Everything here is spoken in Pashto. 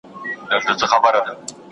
هغه د خپل درس په اړه فکر کاوه.